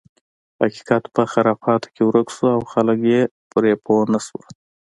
حقیقت په خرافاتو کې ورک شو او خلک یې پرې پوه نه شول.